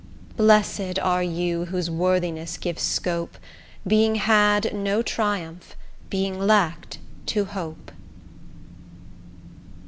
Blessed are you whose worthiness gives scope, Being had, to triumph; being lacked, to hope.